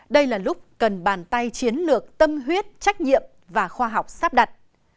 đây là lúc cần bàn tay chiến lược tâm huyết trách nhiệm và khoa học sắp đặt